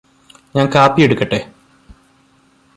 ഞാൻ കാപ്പി എടുക്കട്ടേ?